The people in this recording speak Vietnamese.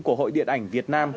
của hội điện ảnh việt nam